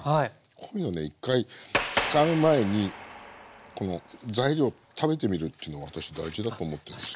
こういうのね１回使う前にこの材料食べてみるっていうの私大事だと思ってんですよ。